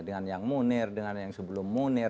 dengan yang munir dengan yang sebelum munir